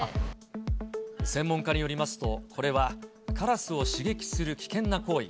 専門家によりますと、これはカラスを刺激する危険な行為。